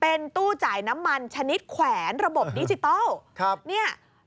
เป็นตู้จ่ายน้ำมันชนิดแขวนระบบดิจิทัลครับเนี่ย